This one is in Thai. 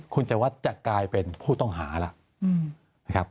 คุณศัตริย์วัฒน์จะกลายเป็นผู้ต้องหาแล้ว